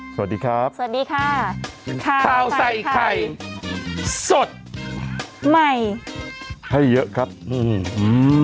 สวัสดีครับสวัสดีค่ะข้าวใส่ไข่สดใหม่ให้เยอะครับอืม